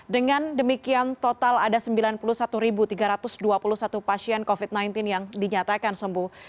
dengan demikian total ada sembilan puluh satu tiga ratus dua puluh satu pasien covid sembilan belas yang dinyatakan sembuh